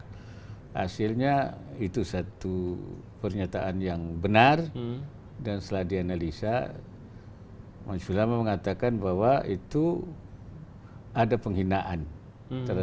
hasilnya itu satu pernyataan yang benar dan setelah dianalisa majelis ulama mengatakan bahwa itu ada penghinaan terhadap